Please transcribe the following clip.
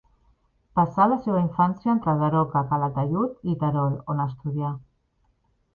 Passà la seva infància entre Daroca, Calataiud i Terol, on estudià.